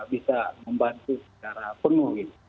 bisa membantu secara penuh gitu